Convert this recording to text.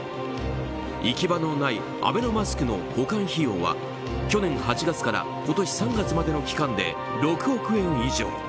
行き場のないアベノマスクの保管費用は去年８月から今年３月までの期間で６億円以上。